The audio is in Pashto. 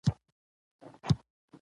د پښتو ليکنۍ شاعرۍ په ټول